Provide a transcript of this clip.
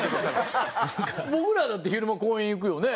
僕らだって昼間公園行くよね？